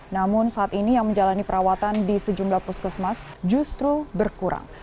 namun saat ini yang menjalani perawatan di sejumlah puskesmas justru berkurang